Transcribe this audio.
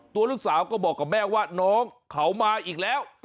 ตัวลูกสาวก็บอกกับแม่ว่าน้องเขามาอีกแล้ว